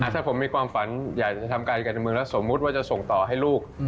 ถ้าผมมีความฝันอยากจะทำการการเมืองแล้วสมมุติว่าจะส่งต่อให้ลูก